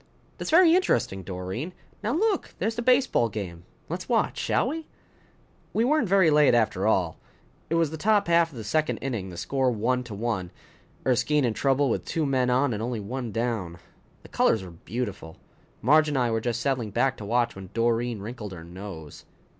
"That's very interesting, Doreen. Now look, there's the baseball game. Let's watch, shall we?" We weren't very late after all. It was the top half of the second inning, the score one to one, Erskine in trouble with two men on and only one down. The colors were beautiful. Marge and I were just settling back to watch when Doreen wrinkled her nose.